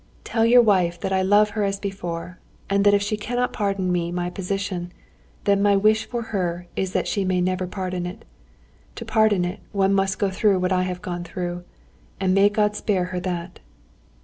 "Tell your wife that I love her as before, and that if she cannot pardon me my position, then my wish for her is that she may never pardon it. To pardon it, one must go through what I have gone through, and may God spare her that."